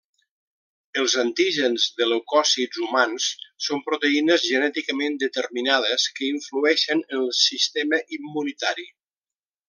Els antígens de leucòcits humans són proteïnes genèticament determinades que influïxen en el sistema immunitari.